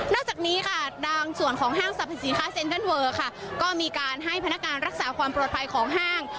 จากนี้ค่ะบางส่วนของห้างสรรพสินค้าเซ็นทรัลเวอร์ค่ะก็มีการให้พนักการรักษาความปลอดภัยของห้าง